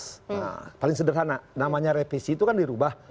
nah paling sederhana namanya revisi itu kan dirubah